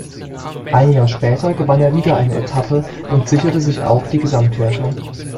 Ein Jahr später gewann er wieder eine Etappe und sicherte sich auch die Gesamtwertung.